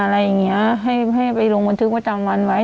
อะไรอย่างนี้ให้ไปลงบันทึกประจำวันไว้